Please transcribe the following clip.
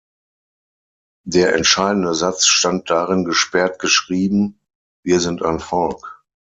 Der entscheidende Satz stand darin gesperrt geschrieben: "„Wir sind ein Volk“".